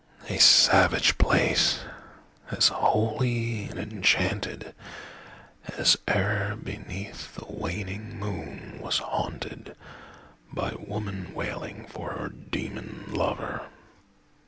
A savage place! as holy and enchantedAs e'er beneath a waning moon was hauntedBy woman wailing for her demon lover!